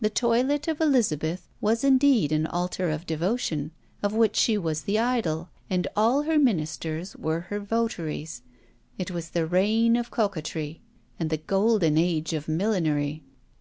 The toilet of Elizabeth was indeed an altar of devotion, of which she was the idol, and all her ministers were her votaries: it was the reign of coquetry, and the golden age of millinery!